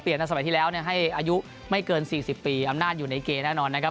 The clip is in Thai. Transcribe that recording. ในสมัยที่แล้วให้อายุไม่เกิน๔๐ปีอำนาจอยู่ในเกณฑ์แน่นอนนะครับ